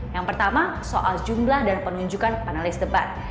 yang pertama soal jumlah dan penunjukan panelis debat